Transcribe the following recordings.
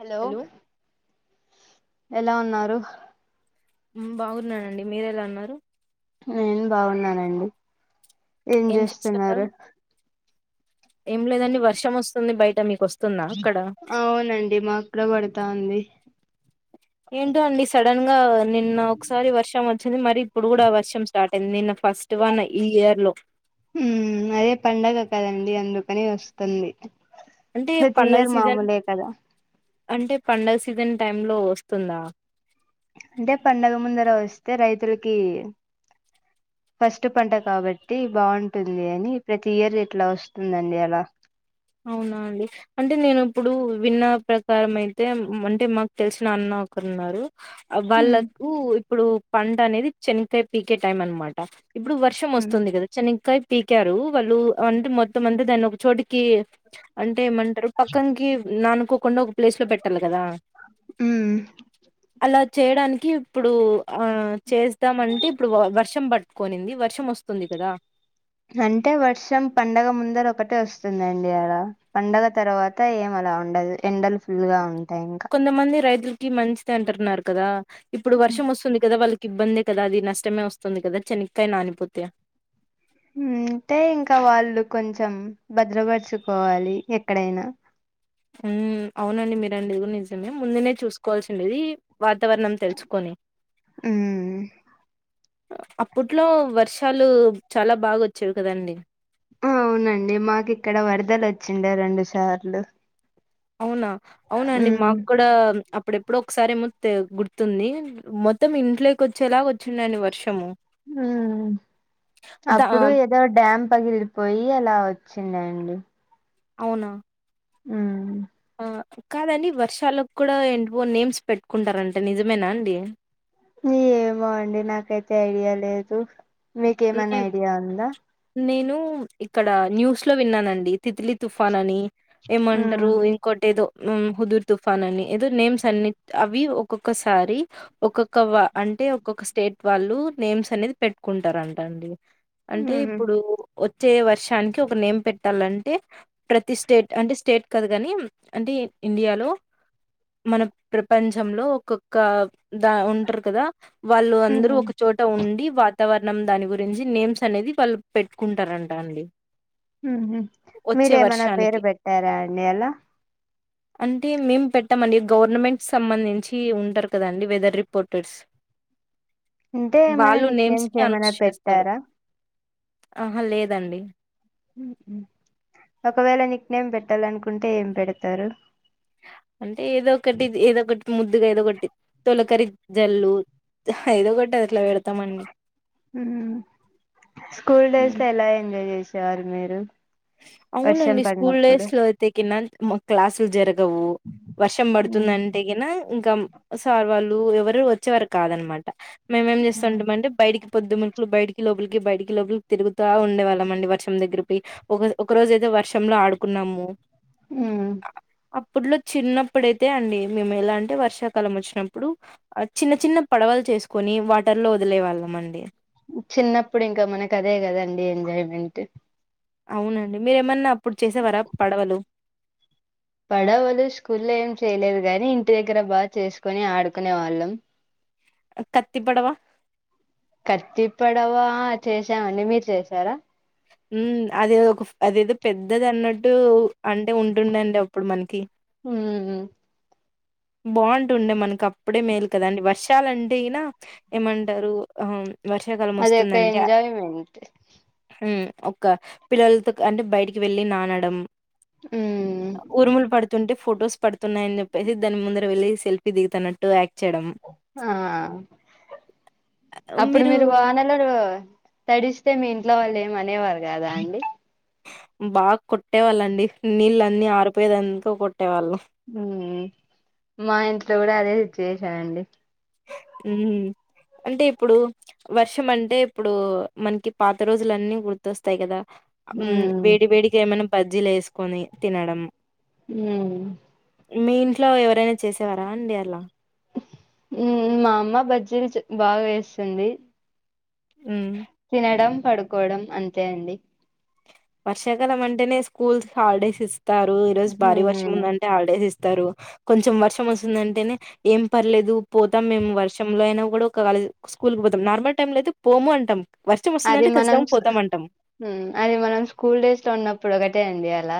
Hello ఎలా ఉన్నారు బాగున్నానండి మీరెల ఉన్నారు నేను బావున్నానండి ఏం చేస్తున్నారు ఏంచేస్తున్నారు ఏం లేదండి వర్షం వస్తుంది బయట మీకు వస్ అవునండి మాక్కుడ పడతాంది ఏంటో అండి సడన్ గా నిన్న ఒకసారి వర్షం వచ్చింది మరి ఇప్పుడు గుడా వర్షం స్టార్ట్ అయింది నిన్న ఫస్ట్‌వన్ ఈ ఇయర్ లో దే వస్తుంది అంటే పండగ తీయరు సీజన్ మామూలే కదా అంటే పండగ సీజన్ టైమ్ లో వస్తుందా అంటే పండగ ముందర వస్తే రైతులకి ఫస్ట్ పంట కాబట్టి బావుంటుంది అని ప్రతి ఇయర్ ఇట్లా వస్తుందండి అలా అవునా అండి అంటే నేను ఇప్పుడు విన్న ప్రకారం అయితే అంటే మాకు తెలిసిన అన్న ఒకరున్నారు అ మ్మ్ వాళ్ళకూ ఇప్పుడు పంట అనేది చెనిక్కాయ్ పీకే టైం అనమాట ఇప్పుడు వర్షం వస్తుంది గదా చనిక్కాయ్ పీకారు వాళ్ళు అంటే మొత్తం అంత దాన్ని ఒక చోటుకీ అంటే ఏమంటరు పక్కనికి నాన్ ఒ కొన్న గ్ ప్లేస్ లో పెట్టాలి కదా మ్మ్ అలా చేయడానికి ఇప్పుడూ ఆ చేస్తామ్ అంటే ఇప్పుడు వ వర్షం పట్ కొనింది వర్షం వస్తుంది కదా అంటే వర్షం పండగ ముందర ఒకటే వస్తుందండి అలా పండగ తర్వాత ఏం అలా ఉండదు ఎండలు ఫుల్ గా ఉం కొంతమంది రైతుల్ కి మంచిది అంటున్నార్ కదా ఇప్పుడు వర్షం వస్తుంది కదా వాళ్ ఇబ్బందే కదా అది నష్టమే వస్తుంది కదా చెనిక్కాయ నానిపోతే హుమ్ అంటే ఇంకా వాళ్ళు కొంచెం భద్రపరుచుకోవాలి ఎక్కడైనా హుమ్ అవునండి మీరన్నది నిజమే ముందునే చూసుకోవాల్సి ఉండేది వాతావరణం తెలుసుకొని ఉమ్ అప్పట్లో వర్షాలు చాలా బాగా వచ్చేవి కదండి అవునండి మాకు ఇక్కడ వరదల్ వచ్చిండే రెండు సార్లు అవునా అవునా అండి ఉమ్ మాకు కూడా అప్పుడేప్ ఎప్పుడో ఒకసారి ఏమో తేల్ గుర్తుంది మొత్తం ఇంట్లోక్ [unintelligible] మ్మ్ దా అప్పుడు ఏదో డ్యామ్ పగిలిపోయి అలా వచ్ వచ్చిందండి అవునా మ్మ్ ఆ కాదండి వర్షాలకు కూడా ఎంట్వో నేమ్స్ పెట్టుకుంటారంట నిజమేనా అండి ఏమో అండి నాకైతే ఐడియా లేదు మీకేమన్నా ఐడియా ఉందా నేను ఇక్కడ న్యూస్ లో విన్నానండి తిత్లీ తుఫాన్ అని ఉమ్ ఏమంటారు ఇంకోటేదో నున్ హుదుర్ తుఫాన్ అని ఏదో నేమ్స్ అన్ని అవి ఒక్కొక్కసారి ఒక్కొక్క అంటే ఒక్కొక్క స్టేట్ వాళ్ళు నేమ్స్ అనేది పెట్కుంటారం అండి అంటే ఉహు ఇప్పుడు వచ్చే వర్షానికి ఒక నేమ్ పెట్టాలంటే ప్రతి స్టేట్ అంటే స్టేట్ కదు గాని అంటే ఇండియాలో మన ప్రపంచంలో ఒక్కొక్క దా ఉంటారు కదా వాళ్ళు అందరూ ఉహు ఒక చోట ఉండి వాతావరణం దానివ్ గురించి నేమ్స్ అనేది వాళ్ళు పెట్టుకుంటారంట అండి మ్మ్ హ్మ్ వచ్చే మీరేమనా వర్షానికి పేరు పెట్టారా అండి అలా అంటే మేము పెట్టమండి గవర్నమెంట్ సంబంధించి ఉంటారు కదండి వెదర్ రిపోర్టర్స్ అంటే ఏమైనా వాళ్ళు నిక్ నేమ్స్ కి ఏమైనా అనౌన్స్ పెట్ చేస్తారు ట్టార ఆహా లేదండి ఒకవేళ నిక్ నేమ్ పెట్టాలనుకుంటే ఏం పెడతారు అంటే ఏదో ఒకటిది ఏదో ఒకటి ముద్దుగా ఏదో కొట్టి తొలకరీ జల్లు ఏదో కొట్టట్లే వాళ్లు స్కూల్ డేస్ హ్మ్. లో ఎలా ఎంజాయ్ చేసే యారు మీరు వర్షం అవునండి స్కూల్ పడినప్పుడు డేస్ లో అయితే కిన క్లాసులు జరగవు వర్షం మ్మ్ పడుతుందంటే గేనా ఇంకా సార్ వాళ్ళు ఎవరు వచ్చేవారు కాదన్నమాట్ మేమేం చేస్తా ఉంటామంటే బయటికి పొద్దు ములుపులు బయటికి లోపలికి బయకి లోపలికి తిరుగుతా ఉండేవాళ్ళం అండి వర్షం దగ్గిరిపోయ్ ఒక ఒక రోజ అయితే వర్షంలో ఆడుకున్నాము మ్మ్ అప్ అప్పట్లో చిన్నప్పుడైతే అండి, మేము ఎలా అంటే వర్షాకాలం వచ్చినప్పుడు, ఆ చిన్న చిన్న పడవలు చేసుకోని వాటర్ లో వదిలే వాళ్ళం అండి. చిన్నప్పుడు ఇంకా మనకు అదే కదండి ఎంజాయ్మెంట్ అవునండి మీరేమన్నా అప్పుడు చేసేవార పడవలు పడవలు స్కూల్లో ఏం చేయలేదు గాని, ఇంటి దగ్గర బాగా చేసుకొని ఆడుకునే వాళ్ళం కత్తి పడవ? కత్తి పడవా ఆ చేశామండి మీరు చేసారా హమ్ అది ఒక అదేదో పెద్దది అన్నట్టు అంటే ఉంటుండే అండి అప్పుడు మనకి మ్ మ్ బాగుంటుండే మనకు అప్పుడే మేలు కదా అండి వర్షాలుంటేనా ఏమంటారు ఆ అది ఒక ఎంజాయ్మెంట్ హ్మ్ ఒక పిల్లలతో అంటే బయటికి వెళ్ళి నానడం మ్మ్ ఉరుములు పడుతుంటే ఫోటోస్ పడుతున్నాయని చెప్పేసి దాని ముందర వెళ్ళి సెల్ఫీ దిగుతున్నట్టు యాక్ట్ చేయడం. ఆ అప్పుడు మీరు వానలు తడిస్తే మీ ఇంట్ల వాళ్ళు ఏం అనేవారు కదా అండి బాగా కొట్టే వాళ్ళండి నీళ్ళ అన్ని ఆరిపోయేదంత కొట్టేవాళ్ళం మ్ మా ఇంట్లో కూడా అదే సిట్యువేషన్ అండి హమ్మ్ అంటే ఇప్పుడు వర్షం అంటే ఇప్పుడు మనకి పాత రోజులన్నీ గుర్తొస్తాయి కదా మ్ ఉమ్ వేడి వేడిగా ఏమన్నా బ జిలేసుకొని తినడం హమ్ మీ ఇంట్లో ఎవరైనా చేసేవారా అండి అలా మ్ మా అమ్మ బజ్జీలు బాగా వేస్తుంది హ్మ్. తినడం పడుకోవడం అంతే అండి వర్షాకాలం అంటేనే స్కూల్స్ హాలిడేస్ ఇస్త ఇస్తారు ఈరోజు భారీ వర్షం ఉందంటే హాలిడేస్ ఇస్త త్తారు కొంచెం వర్షం వస్తుందంటేనే ఏం పర్లేదు పోతాం, మేము వర్షంలో అయినా కూడా ఒక కాలేజ్ స్కూల్కి పోతాం నార్మల్ టైమ్ లో అయితే పోము అంటాం. వర్షం అది వస్తుందంటే మనం ఖచ్చితంగా పోతామంటాం క్కూల్ డేస్ లో ఉన్నప్పుడు ఒకటే అండి అలా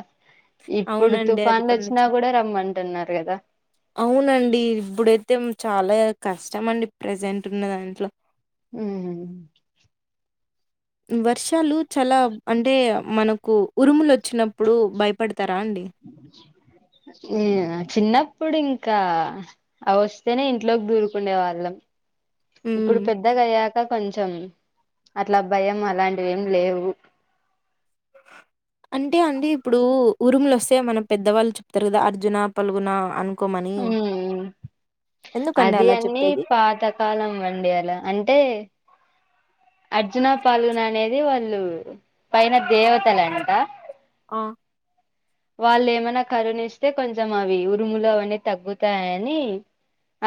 ఇప్పుడు అవునండి. అది తుఫాన్లు వచ్చినా నిజం. కూడా రమ్మంటున్నారు కదా తేం చాలా కష్టం అండి ప్రజెంట్ ఉన్న దాంట్లో హ్మ్ మ్మ్ మ్ వర్షాలు చాలా అంటే మనకు ఉరుములు వచ్చినప్పుడు భయపడు ఏ చిన్నప్ పుడు ఇంకా అవస్తేనే ఇంట్లోకి దూరుకుండే వాళ్ళం ఇప్పుడు హ్మ్. పెద్దగా అయ్యాక కొంచెం అట్ల భయం అలాంటివి ఏం లేవు అంటే అండి ఇప్పుడు ఉరుములు వస్తే మన పెద్దవాళ్ళు చెప్తారు కదా అర్జున పలుగున అన్ ఉమ్ ఎందుకండి అది అలా అన్నీ చెప్పేది? పాతకాలం అండి అలా అంటే అర్జునా పాల్గున అనేది వాళ్ళు పైన దేవతలంట ఆ వాళ్ళేమైనా కరుణిస్తే కొంచెం అవి ఉరుములు అవన్నీ తగ్గుతాయని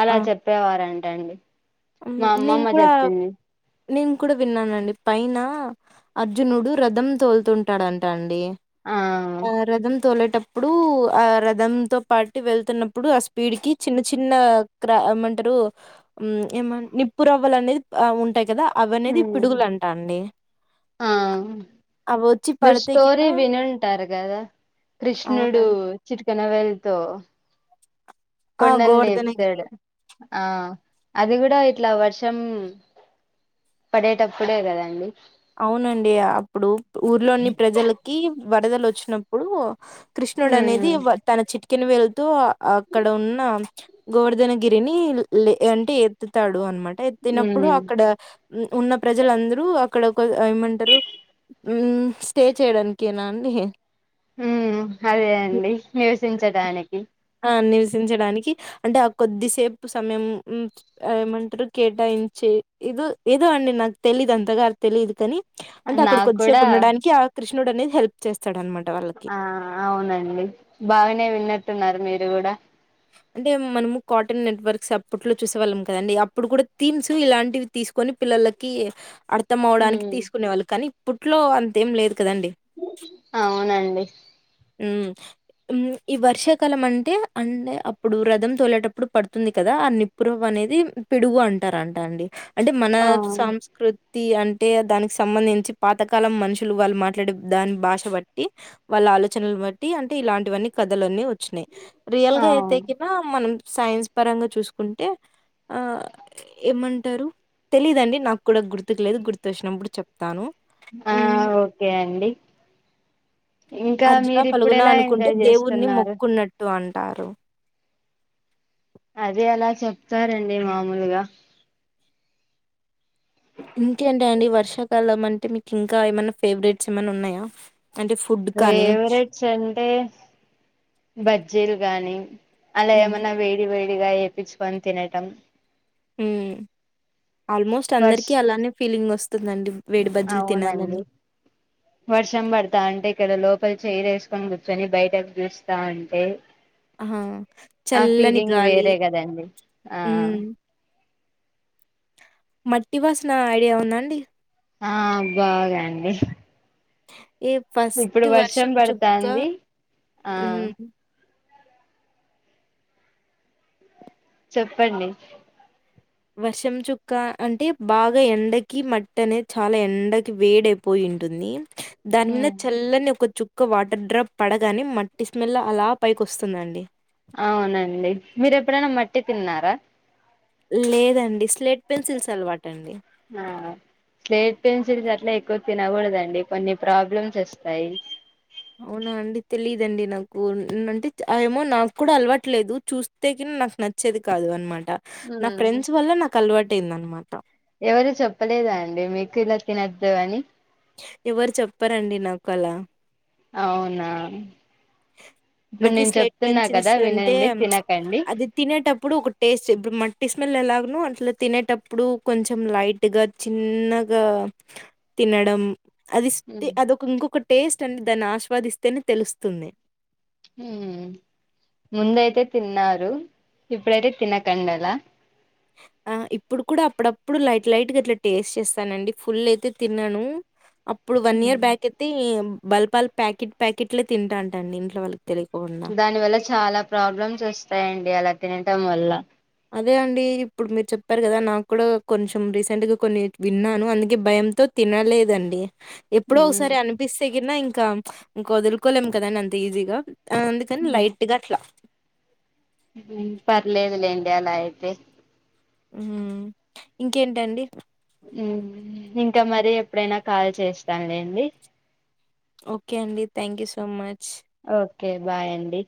అలా చెప్పేవారండ్ టండి ఉమ్ నేను కూడా నేను కూడా విన్నానండి పైన అర్జునుడు రదం తోలుతుంటాడుంట అండి ఆ ఆ రదం తోలట టప్పుడు ఆ రదం తో పాటు వెళ్తున్నప్పుడు ఆ స్పీడ్కి చిన్న చిన్న క్రా ఏమంటరు ఉమ్ ఏమన్ నిప్పురవ్వలనేది ప్ అ ఉంటాయ్ కదా అవనేది ఉమ్ పిడుగులంటా అండి. ఆ అవొచ్చి మీర్ పడితే గిన స్టోరీ వినుంటారు కదా కృష్ణుడు అవునండి. చిట్ కిన వేళ్తో ఆ! కొండన్ గోవర్ధనగిరి. లేపుతాడు ఆ అది కూడా ఇట్ల వర్షం పడేటప్పుడే కదండి అవునండి అప్పుడు ఊర్లోని ప్రజలకి వరదలొచ్చి న్నప్పుడు కృష్ణుడనేది ఉమ్ తన చిట్కిన వేల్ తో అక్కడ ఉన్న గోవర్ధనగిరిని లే అంటే ఎత్తుతాడు అనమాట టే ఎత్తినప్పుడు అక్కడ ఉ ఉన్న ప్రజలందురూ అక్కడ ఒక ఏమంటారు ఉమ్ స్టే చేయడానికేనా అండి ఉమ్ అదే అండి నివసించటానికి ఆ నివసించడానికి అంటే ఆ కొద్దిసేపు సమయం ఏమంటరు కేటాయించే ఇదో ఏదో అండి నాకు తెలీదు అంతగారు తెలీదు కాని అంటే అక్కడ నాకు కొద్దిసేపు కూడా ఉండడానికి ఆ కృష్ణుడనేది హెల్ప్ చేస్తాడన్మాట ఆ అవునండి బాగానే విన్నట్టున్నారు మీరు గూడా అంటే మనము కార్టూన్ నెట్వర్క్స్ అప్పుట్లో చూసేవాళ్ళం కదండి అప్పుడు కూడా థీమ్స్ ఇలాంటివి తీసుకొని పిల్లలకి అర్ త్తమవ్వడానికి ఉమ్ తీసుకునేవాళ్ళు కాని అప్పుట్లో అంతేం లేదు కదండీ! అవునండి ఉమ్ ఉమ్ ఈ వర్షాకాలం అంటే అండె అప్పుడు రదం తోలేటప్పుడు పడుతుంది కదా ఆ నిప్పురవ్వ అనేది పిడుగు అంటారంట అండి అంటే మన ఆ సాంస్కృ తి అంటే దానికి సంబంధించి పాతకాలం మనుషులు వాళ్ళు మాట్లాడే దాన్ భాష బట్టి వాళ్ళ ఆలో చనలు బట్టి అంటే ఇలాంటివన్నీ కథలన్నీ వ చ్చినాయి రియల్ ఆ గా అయితేకినా మనం సైన్స్ పరంగా చూసుకుంటే అ ఏమంటరు తెలీదండి నాకు కూడా గుర్తుకు లేదు గుర్తు వచ్చినప్పుడు చెప్తాను ఆ హ్మ్. ఓకే అండి ఇం అర్జున పాల్గునా అనుకుంటే దేవుని మొక్కున్న ట్టు అంటారు అదే అలా చెప్తారండి మామూలుగా ఇంకేంటి అండి వర్షాకాలం అంటే మీకు ఇంకా ఏమైనా ఫేవరెట్స్ ఏమైనా ఉన్నాయా అంటే ఫుడ్ కానీ ఫేవరెట్స్ అంటే బజ్జీలు గానీ హూ అలా హ్మ్ ఏమన్నా వేడి వేడి గా ఏపిచుకొని తినటం మ్ ఆల్మోస్ట్ వర్ష్ అందరికి అలానే ఫీలింగ్ వ స్తుందండి అవునండి వర్షం పడతాంటే ఇక్కడ లో పల చైర్ వేసుకొని కూర్చొని బయటకు చూస్తా ఉంటే అహా ఆ చల్లని ఫీలింగ్ గాలి వేరే కదండి ఆ మ్ మట్టి వాసన ఐడియా ఉందా అండి ఆ బాగా అండి ఏ ఫస్ట్ ఇప్పుడు వర్షం చుక్క పడతాంది ఆ మ్ చెప్పండి వర్షం చుక్క అంటే బాగా ఎండకి మట్టి అనేది చాలా ఎండకి వేడైపోయింటుంది దాని మీద ఉమ్ చల్లని ఒక చుక్ ఒక వాటర్ డ్రాప్ పడగానే మట్టి స్మెల్ అలా పైకి వస్తుందండి అవునండి మీరు ఎప్పుడైనా మట్టి తిన్నారా లేదండి స్లేట్ పెన్సిల్స్ అలవాటు అండి అ స్లేట్ పెన్సిల్స్ అట్లా ఎక్కువ తినకూడదండి కొన్ని ప్రాబ్లమ్స్ వస్తాయి అవునా అండి తెలిదండి నాకు అంటే ఏమో నాకు కూడా అలవాటు లేదు చూస్తే గిన నాకు నచ్చేది కాదు అన్నమా ట నా ఉమ్ ఫ్రెండ్స్ వల్ల నాకు అలవా ట్టైంది అన్నమాట ఎవరు చెప్పలేదా అండి మీకు ఇలా తినొద్దు అని ఎవరు చెప్పరు అండి నాకు అలా అవున నాకు ఈ స్లైట్ కదా పెన్సిల్స్ అంటే వినండి తినకండి అది తినేటప్పుడు ఒక టేస్ట్ ఇప్పుడు మట్టి స్మె మెళ్ళీ ఎలాగను అట్లా తినేటప్పుడు కొంచెం లైట్గా చిన్నగా తినడం అది ఇష్టే ఉమ్ అదొక ఇంకోక టేస్ట్ అనేది దాన్ని ఆస్వాదిస్తేనే తెలుస్తుంది హ్మ్ ముందయితే తిన్నారు, ఇప్పుడైతే తినకండి అలా. ఆ ఇప్పుడు కూడా అప్పుడప్పుడు లైట్ లైట్ గా అట్లా టేస్ట్ చేస్తానండి ఫుల్ అయితే తినను. అప్పుడు వన్ ఇయర్ బ్యాక్ అయితేం బల్పాల్ ప్యాకెట్ ప్యాకెట్లే తింటాంట అండి ఇంట్లో వాళ్ళు దాని వల్ల చాలా ప్రాబ్లమ్స్ వస్తాయండి అలా తినటం వల్ల అదే అండి ఇప్పుడు మీరు చెప్పారు కదా, నాకు కూడా కొంచెం రీసెంట్గా కొన్ని విన్నాను అందుకే భయంతో తినలేదండి. ఎప్పుడో ఉమ్ ఒకసారి అనిపిస్సే గిన ఇం కాం ప్చ్ ఇంక వదులుకోలేం కదండి అంత ఈజీగా అని అందుకని లైట్ గా అట్లా పర్లేదులే లెండి అలా అయితే హ్మ్ ఇంకేంటండి, ఇంకా మరి ఎప్పుడైనా కాల్ చేస్తానులేండి ఓకే అండి thank you so much okay bye అండి